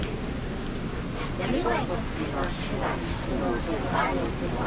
闇バイトっていうのは知ってたんですけど、そういうのがあるっていうのは。